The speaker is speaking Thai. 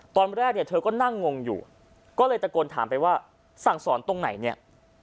ตอนแรกเนี่ยเธอก็นั่งงงอยู่ก็เลยตะโกนถามไปว่าสั่งสอนตรงไหนเนี่ย